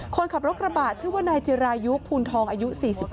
คนขับรถกระบะชื่อว่านายจิรายุพูนทองอายุ๔๙